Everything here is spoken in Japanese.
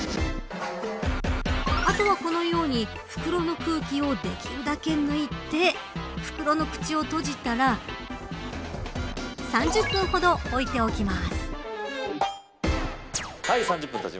あとはこのように袋の空気をできるだけ抜いて袋の口を閉じたら３０分ほど置いておきます。